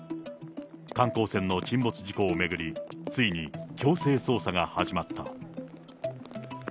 観光船の沈没事故を巡り、ついに強制捜査が始まった。